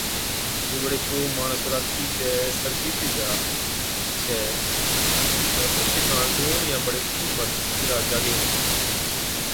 جي بڙي ڪو ماڻس راتِي چَي سرگِي ھُتِي جا ڇَي تہ اوڇي ڪاڻ ڏون يا بڙي تِين مرد سجِي رات جاڳي ھِتي